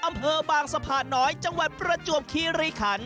อำเภอบางสะพานน้อยจังหวัดประจวบคีรีขัน